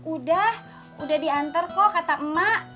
udah udah diantar kok kata emak